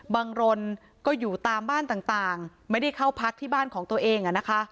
รนก็อยู่ตามบ้านต่างไม่ได้เข้าพักที่บ้านของตัวเอง